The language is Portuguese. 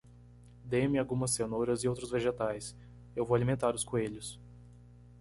Dê-me algumas cenouras e outros vegetais. Eu vou alimentar os coelhos.